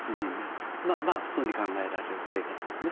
まあまあ普通に考えられる生活ですね。